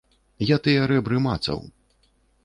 Я тыя рэбры мацаў.